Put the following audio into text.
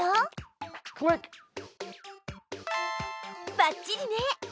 ばっちりね！